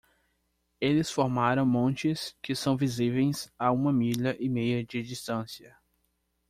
Eles formaram montes que são visíveis a uma milha e meia de distância.